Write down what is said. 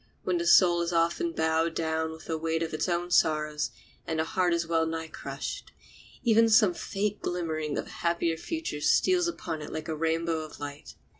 When the soul is often bowed down with the weight of its own sorrows and the heart is well nigh crushed, even then some faint glimmering of a happier future steals upon it like a rainbow of light.